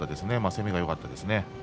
攻めがよかったです。